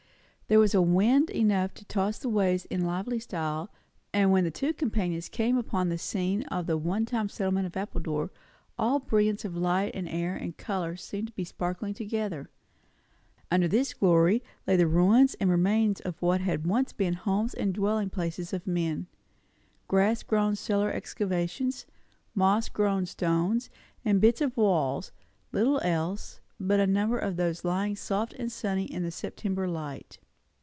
There was wind enough to toss the waves in lively style; and when the two companions came out upon the scene of the one time settlement of Appledore, all brilliance of light and air and colour seemed to be sparkling together. Under this glory lay the ruins and remains of what had been once homes and dwelling places of men. Grass grown cellar excavations, moss grown stones and bits of walls; little else; but a number of those lying soft and sunny in the September light.